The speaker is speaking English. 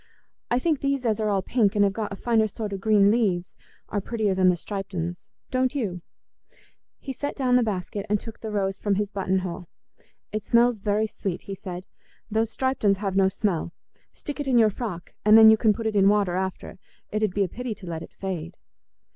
I think these as are all pink, and have got a finer sort o' green leaves, are prettier than the striped uns, don't you?" He set down the basket and took the rose from his button hole. "It smells very sweet," he said; "those striped uns have no smell. Stick it in your frock, and then you can put it in water after. It 'ud be a pity to let it fade."